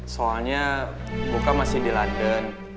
soalnya buka masih di london